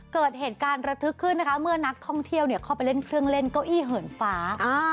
เกิดเหตุการณ์ระทึกขึ้นนะคะเมื่อนักท่องเที่ยวเข้าไปเล่นเครื่องเล่นเก้าอี้เหินฟ้า